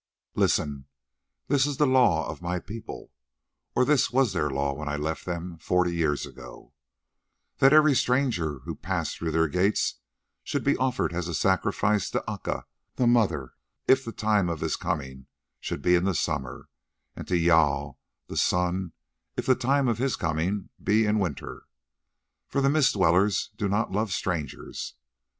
"Listen; this is the law of my people, or this was their law when I left them forty years ago: That every stranger who passes through their gates should be offered as a sacrifice to Aca the mother if the time of his coming should be in summer, and to Jâl the son if the time of his coming be in winter, for the Mist dwellers do not love strangers.